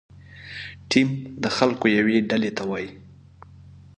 ټیم د خلکو یوې ډلې ته وایي.